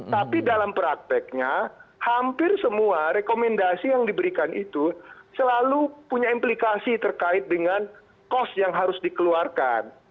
tapi dalam prakteknya hampir semua rekomendasi yang diberikan itu selalu punya implikasi terkait dengan kos yang harus dikeluarkan